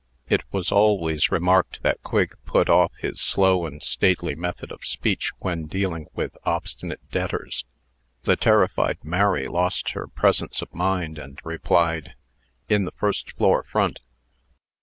It was always remarked that Quigg put off his slow and stately method of speech, when dealing with obstinate debtors. The terrified Mary lost her presence of mind, and replied; "In the first floor, front."